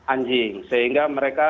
anjing sehingga mereka